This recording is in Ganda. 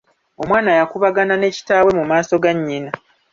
Omwana yakubagana ne kitaawe mu maaso ga nnyina.